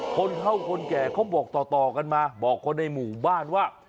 คนเท่าคนแก่เขาบอกต่อกันมาบอกคนในหมู่บ้านว่า